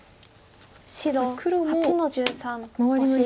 白８の十三オシ。